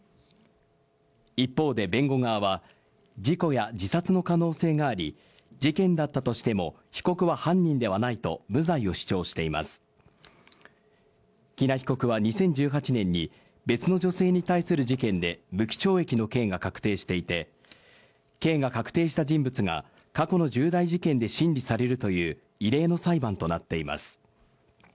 一方で弁護側は事故や自殺の可能性があり事件だったとしても被告は犯人ではないと無罪を主張しています喜納被告は２０１８年に別の女性に対する事件で無期懲役の刑が確定していて刑が確定した人物が過去の重大事件で審理されるという異例の裁判となっています